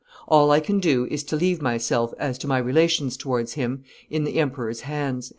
All I can do is to leave myself, as to my relations towards him, in the emperor's hands."